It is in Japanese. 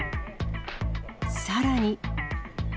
さらに。